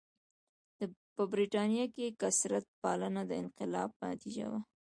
په برېټانیا کې کثرت پالنه د انقلاب نتیجه وه.